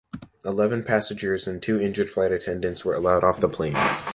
Eleven passengers and two injured flight attendants were allowed off the plane.